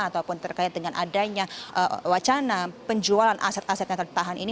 ataupun terkait dengan adanya wacana penjualan aset aset yang tertahan ini